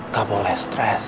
gak boleh stress